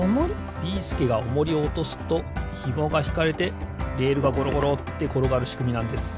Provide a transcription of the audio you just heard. ビーすけがオモリをおとすとひもがひかれてレールがゴロゴロってころがるしくみなんです。